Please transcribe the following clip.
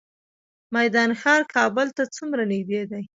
میدان ښار کابل ته څومره نږدې دی؟